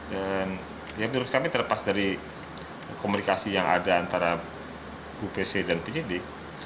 dan menurut kami terlepas dari komunikasi yang ada antara ibu pc dan penyidik